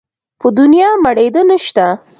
په دونيا مړېده نه شته.